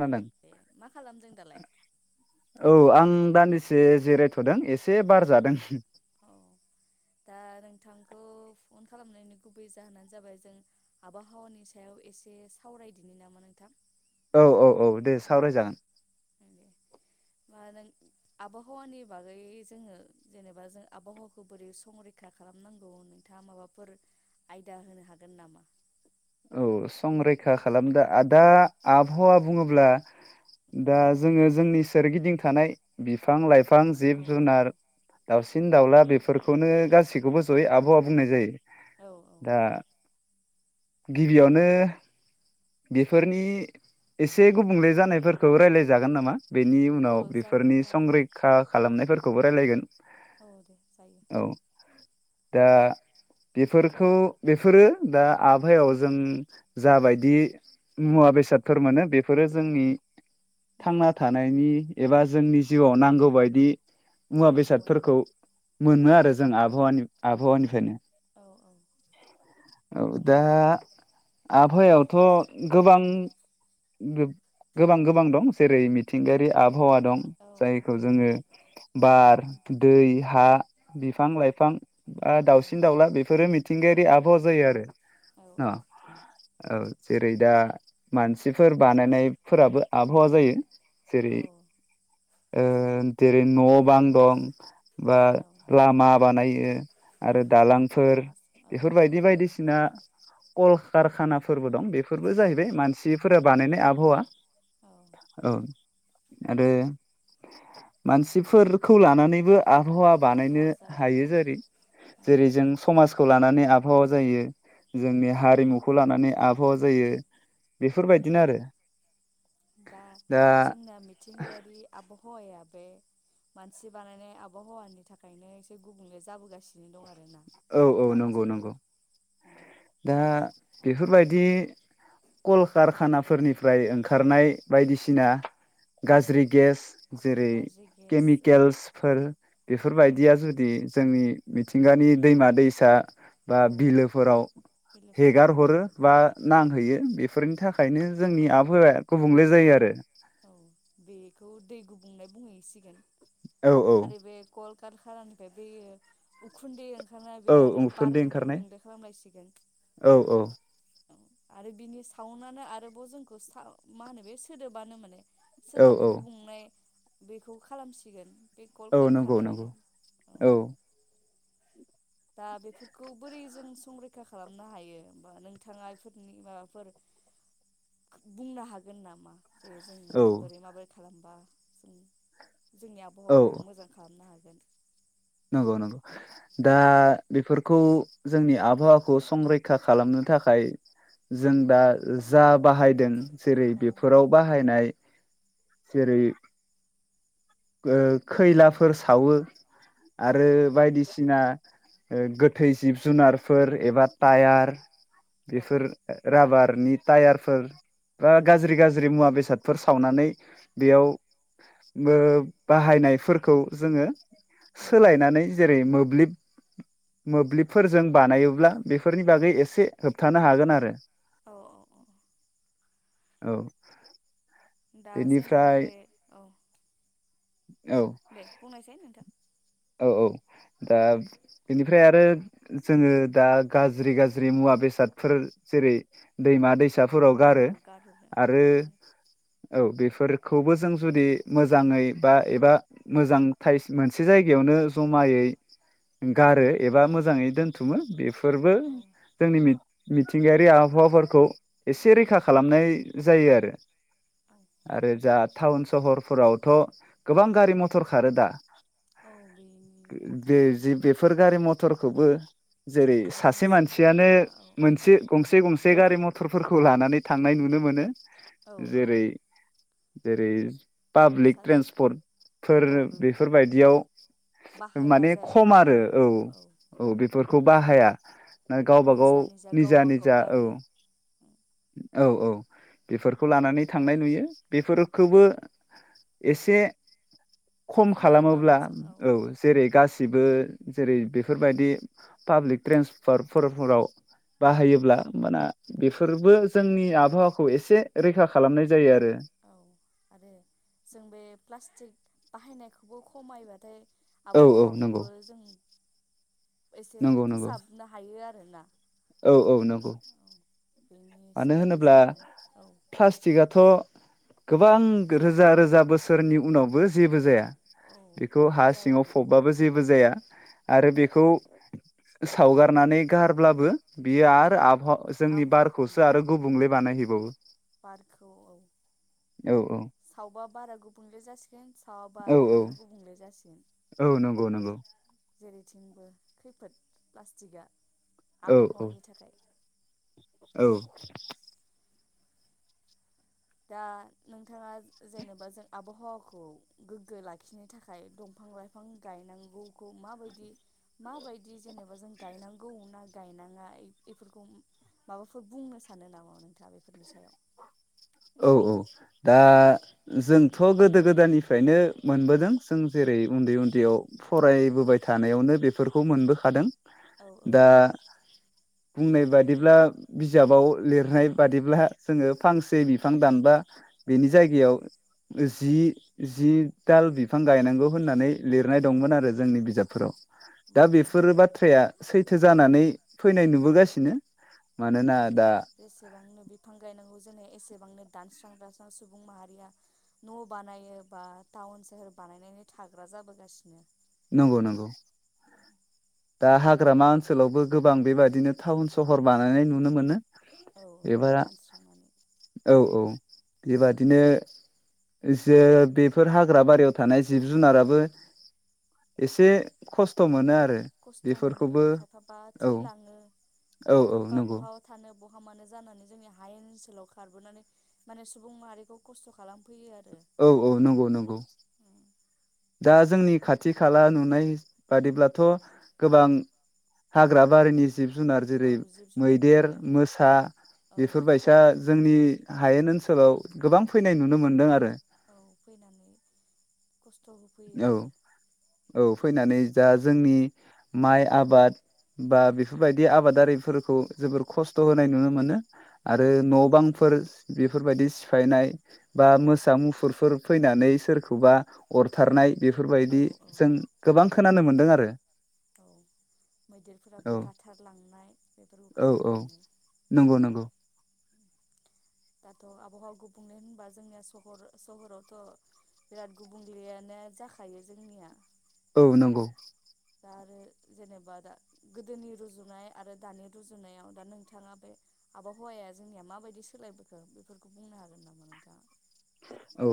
खोनादों? ए मा खालामदों दालाय औ आं दान्दिसे जिरायथ'दों एसे बार जादों। औ दा नोंथांखौ फन खालामनायनि गुबै जाहोनानो जाबाय जों आबहावानि सायाव एसे सावरायदिनि नामा नोंथां? औ औ औ दे सावरायजागोन। दा नों आबहावानि बागै जोङो जेनेबा जों आबहावाखौ बोरै संरैखा खालामनांगौ नोंथाङा माबाफोर आयदा होनो हागोन नामा? औ संरैखा खालामदो दा आबहावा बुङोब्ला दा औ जोङो जोंनि सोरगिदिं थानाय बिफां लाइफां बिफां जिब औ औ औ जुनार दावसिन सिन दाउला बेफोरखौनो गासैखौबो जयै आबहावा बुंनाय जायो औ औ दा गिबियावनो बेफोरनि एसे गुबुंले जानायफोरखौ रायलायजागोन नामा? बेनि औ उनाव जागोन बेफोरनि जागोन संरैखा खालामनायफोरखौबो रायलायगोन। औ दे जायो औ दा बेफोरखौ बेफोरो दा आ भावायाव जों जाबायदि मुवा बेसादफोर मोनो बेफोरो जोंनि थांना थानायनि एबा जोंनि जिउआव नांगौबायदि मुवा नांगौ बायदियाव बेसादफोरखौ मोनो आरो जों आबहावानि आबहावानिफ्रायनो औ औ औ दा आबहावायावथ' गोबां गोब गोबां गोबां दं जेरै मिथिंगायारि आबहावा दं औ जायखौ जोङो बार दै हा बिफां लाइफां बा उम दाउसिन दाउला बेफोरो मि थिंगायारि आबहावा जायो आरो न' औ जेरै दा मानसिफोर बानायनायफोराबो आबहावा जायो। औ जेरै ओ जेरै न' बां दं बा औ लामा बानाय [unintelligible] आरो दालांफोर लामा औ बेफोर बायदि दालां बायदिस आ कलखारखानाफोरबो दं बे फोरबो जाहैबाय औ मानसिफोरा बानायनाय आबहावा औ औ आरो मानसिफोरखौ लानानैबो आबहावा बानायनो आबहावा जायो औ हायो जेरै ओं जेरै जों समाज खौ लानानै आबहावा जायो जोंनि उम हारिमुखौ लानानै आबहावा जायो बेफोरबायदिनो आरो दा जोंना मिथिंगायारि आबहावाया बे मानसि बानायनाय आबहावानि थाखायनो एसे गुबुंले जाबोगासिनो दं आ औ औ नंगौ नंगौ दा बेफोरबाय दि कलकारखानाफोरनिफ्राय ओंखारनाय बायदिसिना औ गाज्रि गेस जेरै गाज्रि गेस औ केमिकेल्सफोर बेफोरबायदिया जुदि जोंनि मिथिंगानि दैमा दैसा, बा औ बिलोफोराव बेलेफोराव हेगार गोलैयो हरो बा नां होयो बेफोरनि थाखायनो जोंनि आबहावाया गुबुंले जायो आरो। औ बेखौ दै गुबुंनाय बुंहैसिगोन। औ औ आरो बे कलकारखानानि फ्राय बै उखुनदि ओं खार बे औ आरो उखुन्दै बारखौ ओंखारनाय गुबैले खालामलायसिगोन। औ औ आरो बिनि साउन्दानो आरोबाव जोंखौ मा होनो बे सोदोबानो मोन औ सोदोब औ गुबुंनाय बेखौ खालामसिगोन। बे औ नंगौ नंगौ कलकारखानायानो। औ दा बेफोरखौ बोरै जों संरैखा खालामनो हायो हबा नोंथाङा बेफोरनि माबाफोर बुंनो हागोन नामा? दे जों औ माबोरै माबोरै खालामबा [unintelligible] जोंनि औ आबहावाखौ मोजां खालामनो हागोन। नंगौ नंगौ दा बेफोरखौ जोंनि आबहावाखौ संरैखा खालामनो थाखाय जों दा जा बाहायदों जेरै औ बेफोराव बाहायनाय जेरै खैलाफोर सावो औ आरो औ बायदिसिना गोथै जिब जुनार फोर एबा उम टायार औ बेफोर राबार फोरनि टायारफोर बा उम गाज्रि गाज्रि मुवा बेसाद फोर सावनानै बेयाव ओ बाहायनायफोरखौ जोङो उम सोलायनानै जेरै मोब्लिब मोब्लिबफोरजों बानायोब्ला बेफोरनि बागै एसे होबथानो हागोन आरो। औ औ औ दा जों आरो बेनिफ्राय बे औ औ दे बुंनायसै नोंथां? औ औ दा बेनिफ्राय आरो जोङो दा गाज्रि गाज्रि मुवा बेसादफोर जेरै दैमा दै साफोराव औ गारो गारहरनो औ आरो गारहरनो औ बेफोरखौबो जों जुदि मोजाङै बा एबा मोजां मोनसे जाय गिबियावनो जमायै गारो एबा मोजै दोनथुमो बे फोरबो औ जोंनि मिथिंगायारि आबहावाफोरखौ एसे रैखा खालामनाय जायो आरो औ आरो जा टाउन सहरफोरावथ' गोबां गारि मथर खारो दा। औ बेनि बे जि बे फोर गारि मथरखौबो औ जेरै बेनि सासे सोदोब मानसियानो बा औ मोनसे गंसे गंसे से गारि मथरफोरखौ लानानै थांनाय नुनो मोनो। औ औ जेरै जेरै पाब्लिक सासे ट्रेन्सपर्टफोर औ बे बेफोरबायदियाव बाहाया माने जाया खम आरो बाहाया औ आरोना बेखौ औ बे फोरखौ बाहाया‌। गावबा गाव निजा निजा गावबा गाव निजा औ गारि औ औ बेफोरखौ लानानै थांनाय नुयो बेफोरखौबो एसे खम खमायोबा खालामोब्ला मोजां औ। जेरै गासिबो जेरै बेफोरबायदि पाब्लिक ट्रेन्सपर्टफोरफोराव बाहायोब्ला माना बेफोरबो जोंनि आबहावाखौ एसे रैखा खालामनाय जायो आरो औ आरो जों बे प्लास्टिक बाहायनायखौ बेबो खमायबाथाय औ औ नंगौ आबहावाखौबो जों एसे नंगौ नंगौ फोसाबनो हायो आरो। [unintelligible] औ औ नंगौ। बेनि मानो सोलायै होनोब्ला जोङो औ प्लास्टिकआथ गोबां रोजा रोजा बोसोरनि उनावबो जेबो जाया औ बेखौ हा जाया सिङाव ओं फबबाबो जेबो जाया। आरो बेखौ सावगारनानै गारब्लाबो बियो आरो आबहा जोंनि बार आबहावाखौ ओं खौसो आरो गुबुंले बानाय हैबावो। बारखौ औ औ औ सावबा बारा गुबुंले जासिगोन सावाबा औ आरो औ हाया गुबुंले जासिगोन। औ नंगौ नंगौ। जेरैथिंबो खैफोद प्लास्टिकआ औ औ आबहावानि थाखाय। औ दा नोंथाङा जेनेबा जों आबहावाखौ गोग्गो लाखिनो थाखाय दंफां लाइफां गायनांगौखौ माबायदि माबायदि जेनेबा जों गायनांगौ ना गायनाङा बेफोरखौ माबाफोर बुंनो सानो नामा नोंथाङा बेफोरनि सायाव औ औ दा जोंथ गोदो गोदायनिफ्रायनो मोनबोदों जों जेरै उन्दै उन्दैयाव औ फरायबोबाय थानायावनो बे फोरखौ मोनबोखादों औ औ दा औ बुंनाय बादिब्ला बिजाबाव लिरनाय बादिब्ला जोङो फांसे बि बिफां दानबा बेनि औ जायगायाव जि जि दाल बिफां गायनांगौ होननानै लिरनाय औ दंमोन आरो जोंनि बिजाबफोराव दा मानोना बेफोरो बाथ्राया सैथो जानानै फैनाय नुबोगासिनो दिनो अ जेसेबांनो बिफां गायनांगौ जोंनो एसेबांनो दानस्रां दस्रां सुबुं माहारिया न' बानायो बा टाउन सोहोर बानायनानै थाग्रा जाबोगासिनो नंगौ नंगौ दा हाग्रामा ओनसोलावबो गोबां बेबादिनो टाउन सहर बानायनाय नुनो मोनो औ एबारा दानस्रांनानै औ औ बेबादिनो जो बेफोर हाग्रा बारियाव थानाय जिब जुनाराबो एसे खस्थ' मोनो आरो खस्थ' मोनो ओ बेफोरखौबो खायफाबा औ थैलाङो औ औ खायफाबा नंगौ बह थानो बहा मानो जानानै जोंनि हायेन ओनसोलाव खाबोनानै मान सुबुं माहारिखौ खस्थ' खालाम औ औ नंगौ नंगौ दा जोंनि खाथि खाला नुनाय बादिब्लाथ' गोबां हाग्रा बारिनि जिब जुनार औ जेरै जिब जुनार मैदेर फैयो मोसा औ बेफोरबायसा जोंनि हायेन ओनसोलाव गोबां फैनाय नुनो मोनदों आरो औ फैनानै खस खस्थ' होफैयो औ आरो औ फैनानै जा जोंनि माइ आबाद बा बेफोरबायदि आबादारिफोरखौ जोबोर खस्थ' होनाय नुनो मोनो आरो औ न' बांफोर बेफोरबायदि सिफायनाय बा मोसा मुफुरफोर फैनानै सोरखौबा अर थारनाय औ बेफोरबायदि औ जों गोबां खोनानो मोन्दों आरो औ मैदेरफोराबो औ गाथारलांनाय बेफोरखौ औ औ खोनानो मोनो नंगौ नंगौ दाथ' आबहावा गुबुंले होनबा जोंनिया सह सहरावथ' बिराद गुबुंलेयानो जाखायो जोंनिया औ नंगौ दा आरो जेनेबा दा गोदोनि रुजुनाय आरो दानि रुजुनायाव दा नोंथाङा बे आबहावाया जोंनिया माबायदि सोलायबोखो बेफोरखौ बुंनो हागोन नामा नोंथाङा? औ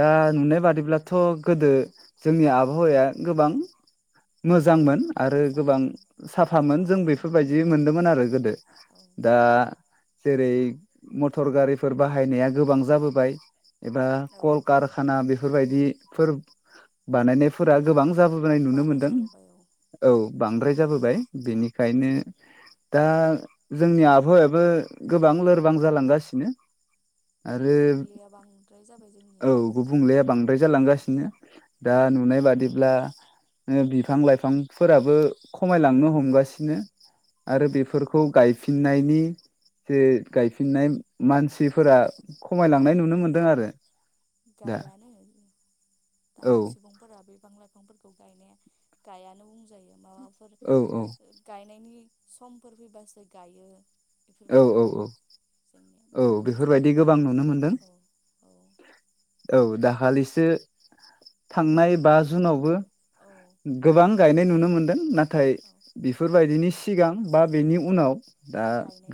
दा नुनाय बादिब्लाथ' गोदो जोंनि आबहावाया गोबां मोज जांमोन आरो गोबां मोजांमोन साफामोन बिफां जों लाइफांबो बेफोरबायदि दंमोन आरोना मोनदोंमोन आरो गोदो औ दा जेरै मटर गारिफोर बाहायनाया गोबां जाबोबाय एबा औ कलकारखाना बे बेफोरबायदिफोर बानायनायफोरा गोबां जाबोनाय नुनो बारा मोनदों जाबोबाय औ औ। बांद्राय जाबोबाय बेनिखायनो दा जोंनि आबहावायाबो गोबां लोरबां जालांगासिनो। आरो गुबुंलेया बांद्राय जाबाय जोंनिया। द्राय जालांगासिनो दा नुनाय बादिब्ला बिफां लाइफांफोराबो खमायलांनो हमगासिनो। औ आरो औ बेफोरखौ गायफि फिननायनि जे गायफिननाय मानसिफोरा खमायलांनाय नुनो मोनदों आरो। दा गायानो औ दानि सुबुंफोरा बिफां लाइफांफोर खौ गायनाय गायानो बुंजायो। माबाफोर औ औ गायनायनि समफोर फैबासो गायो। बेफोरबायदि जोंनिया औ-औ-औ-औ माबा मोनसे बेफोरबायदि गोबां नुनो मोनदों। औ औ औ दाखालिसो थांनाय बा जुनावबो औ गोबां गायनाय नुनो मोनदों नाथाय औ बेफोरबायदिनि सिगां बा बेनि उनाव दा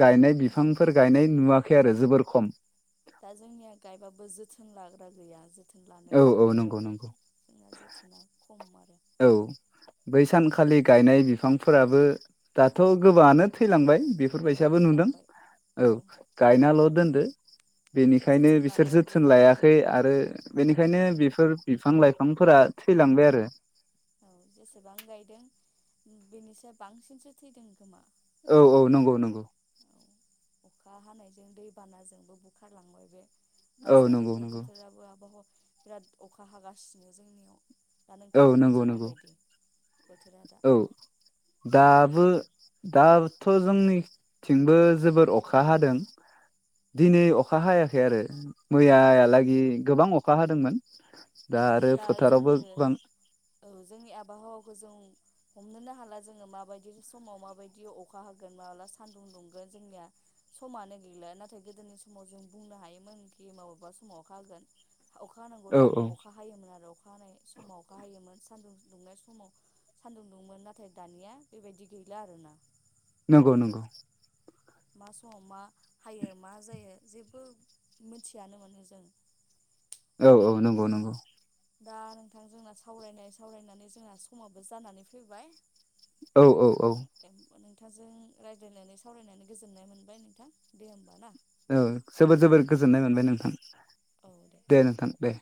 गायनाय नुवाखै माने बिफांफोर गायनाय नुवा खै आरो जोबोर खम दा जोंनिया गायबाबो जोथोन लाग्रा गैया जोथो न लानो औ रोङा औ नंगौ गायबाबो नंगौ जोंना जोथोना खम आरो। औ बै सानखालि गायनाय बिफांफोराबो दाथ' गोबाङानो थैलांबाय। औ बेफोरबायसाबो नुदों थैलांबाय औ गायनाल' दोनदो बेनिखायनो जोथोन बिसोर लानायाव जोथोन गैया लायाखै आरो बेनिखायनो बेफोर बिफां लाइफांफोरा थैलांबाय आरो। औ जेसेबां गायदों बेनिसो बांसिनसो थैदों खोमा। औ-औ नंगौ-नंगौ औ अखा हानायजों दैबानाजोंबो बुखारलांबाय बे। औ नंगौ दासान्दिथ नंगौ बोथोराबो आबहावा बिराद अखा हागासिनो जोंनियाव दा औ नंगौ नोंथांमोननिथिं नंगौ माबायदि बोथोरा दा औ दा बो‌ दाथ' जोंनिथिंबो जोबोर अखा हादों औ दिनै अखा हायाखै आरो मैयालागि गोबां अखा हादोंमोन। आरो दा फोथारावबो जोंङो गोबां औ जोंनि आबहावाखौ जों हमनोनो हाला जोंङो माबायदि समाव माबायदि अखा हागोन माब्ला सानदुं दुंगोन जोंनिया समानो गैला नाथाय गोदोनि समाव जों बुंनो हायोमोनखि मबेबा समाव अखा होगोन। अखा हानांगौ औ औ थाइमाव अखा मोन आरो अखा हानाय समाव अखा हायोमोन सान्दुं दुंनाय समाव सान्दुं दुंमोन नाथाय दानिया बेबायदि गैला आरोना। नंगौ नंगौ मा समाव मा हायो मा जायो जेबो मिथियानो मोने जों औ औ नंगौ नंगौ दा नोंथां जोंना सावरायनाय-सावरायनानै जोंना समाबो जानानै फैबाय। औ औ औ नोंथांजों रायज्लायनानै सावरायनानै गोजोननाय मोनबाय नोंथां दे होमबा ना। औ जोबोर जोबोर गोजोननाय मोनबाय नोंथां दे नोंथां दे